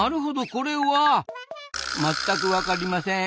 これはまったくわかりません。